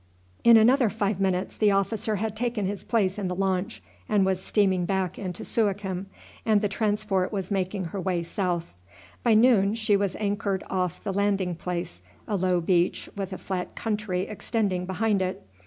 In another five minutes the officer had taken his place in the launch and was steaming back into Suakim, and the transport was making her way south. By noon she was anchored off the landing place, a low beach with a flat country extending behind it.